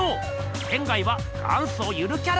仙は元祖ゆるキャラ。